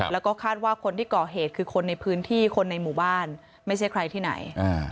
แล้วก็คาดว่าคนที่ก่อเหตุคือคนในพื้นที่คนในหมู่บ้านไม่ใช่ใครที่ไหน